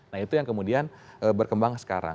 nah itu yang kemudian berkembang sekarang